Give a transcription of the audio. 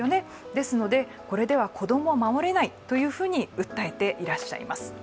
ですのでこれでは子供を守れないというふうに訴えていらっしゃいます。